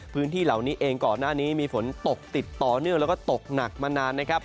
พื้นที่เหล่านี้เองก่อนหน้านี้มีฝนตกติดต่อเนื่องแล้วก็ตกหนักมานานนะครับ